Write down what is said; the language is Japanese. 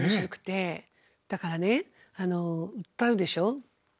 だからね歌うでしょ？